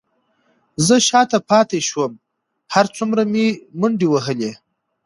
زه شاته پاتې شوم، هر څومره مې منډې وهلې،